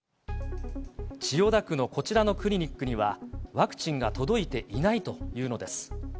千代田区のこちらのクリニックには、ワクチンが届いていないというのです。